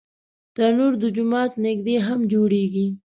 تنور د جومات نږدې هم جوړېږي